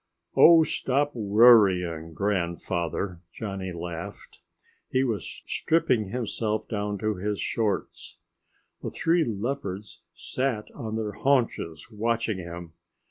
"Oh, stop worrying, Grandfather!" Johnny laughed. He was stripping himself down to his shorts. The three leopards sat on their haunches watching him.